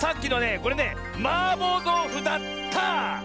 これねマーボーどうふだった！